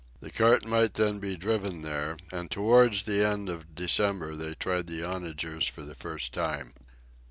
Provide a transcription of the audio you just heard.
The cart might then be driven there, and towards the end of December they tried the onagers for the first time.